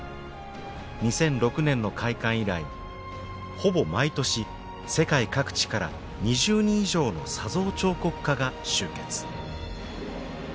２００６年の開館以来ほぼ毎年世界各地から２０人以上の砂像彫刻家が集結。